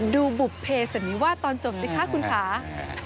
ดูบุปเพจเสร็จนี้ว่าตอนจบสิค่ะคุณภาคภูมิ